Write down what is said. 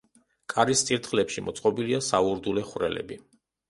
კარის წირთხლებში მოწყობილია საურდულე ხვრელები.